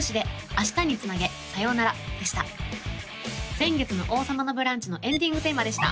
先月の「王様のブランチ」のエンディングテーマでした